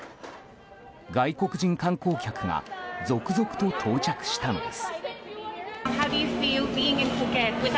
外国人観光客が続々と到着したのです。